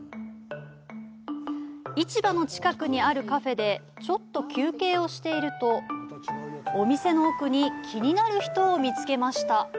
市場の近くにあるカフェでちょっと休憩をしているとお店の奥に気になる人を見つけました。